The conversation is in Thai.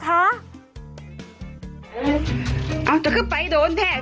เปลี่ยนรถไปให้ข่างบ้านเลย